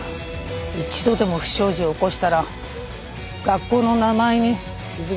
一度でも不祥事を起こしたら学校の名前に傷が付く。